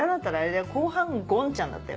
後半「ごんちゃん」だったよ。